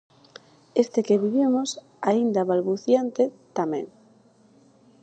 Este que vivimos, aínda balbuciente, tamén.